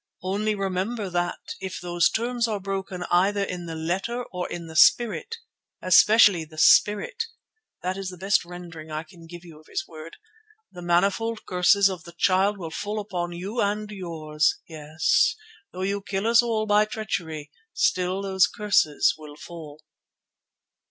"Only remember that if those terms are broken either in the letter or in the spirit, especially the spirit" (that is the best rendering I can give of his word), "the manifold curses of the Child will fall upon you and yours. Yes, though you kill us all by treachery, still those curses will fall."